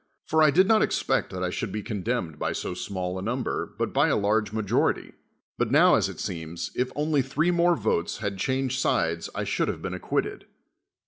For I did not expect that I should be condemned by so small a number, but by a large majority; but now, as it seems, if only three more votes liad changed sides I should have been accpiitted.